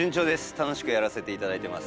楽しくやらせて頂いてます。